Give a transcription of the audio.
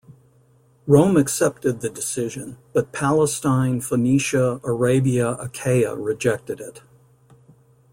Rome accepted the decision, but Palestine, Phoenicia, Arabia, Achaea rejected it.